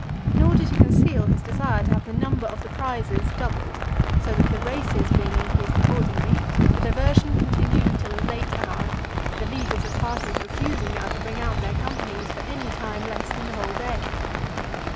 Nor did he conceal his desire to have the number of the prizes doubled; so that the races being increased accordingly, the diversion continued until a late hour; the leaders of parties refusing now to bring out their companies for any time less than the whole day.